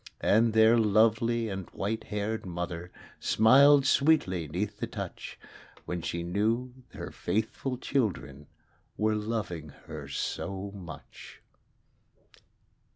And their loved and white haired mother Smiled sweetly 'neath the touch, When she knew her faithful children Were loving her so much.